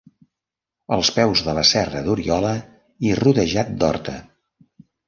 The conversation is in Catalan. Als peus de la Serra d'Oriola i rodejat d'horta.